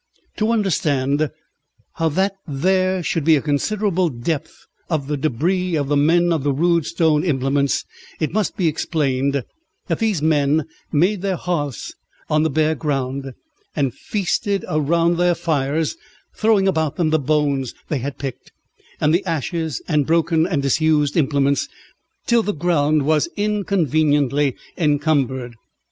To understand how that there should be a considerable depth of the débris of the men of the rude stone implements, it must be explained that these men made their hearths on the bare ground, and feasted around their fires, throwing about them the bones they had picked, and the ashes, and broken and disused implements, till the ground was inconveniently encumbered.